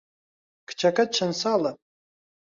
کچەکەت چەند ساڵە؟